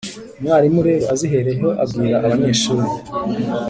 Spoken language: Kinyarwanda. Umwarimu rero azihereyeho abwira abanyeshuri